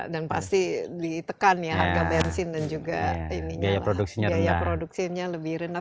dan pasti ditekan ya harga bensin dan juga biaya produksinya rendah